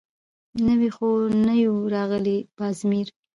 _نوي خو نه يو راغلي، باز مير.